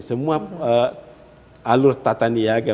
semua alur tata niaga